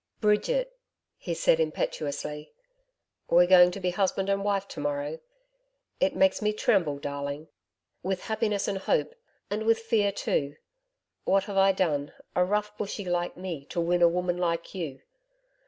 'Bridget,' he said impetuously, 'we're going to be husband and wife to morrow. It makes me tremble, darling with happiness and hope, and with fear, too. What have I done, a rough Bushy like me to win a woman like you?